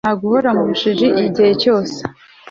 nta guhora mu bujiji igihe cyose